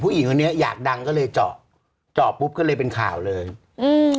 ผู้หญิงคนนี้อยากดังก็เลยเจาะเจาะปุ๊บก็เลยเป็นข่าวเลยอืม